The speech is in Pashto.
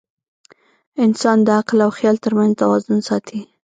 انسان د عقل او خیال تر منځ توازن ساتي.